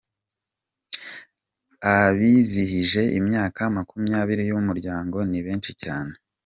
abizihije imyaka makumyabiri y’Umuryango nibenshi cyane